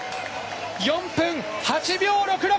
４分８秒６６。